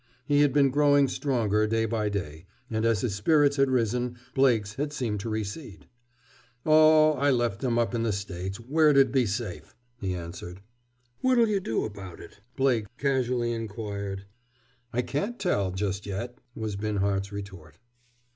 He had been growing stronger, day by day, and as his spirits had risen Blake's had seemed to recede. "Oh, I left that up in the States, where it'd be safe," he answered. "What'll you do about it?" Blake casually inquired. "I can't tell, just yet," was Binhart's retort.